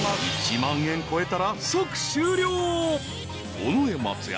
［尾上松也。